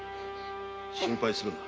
心配するな。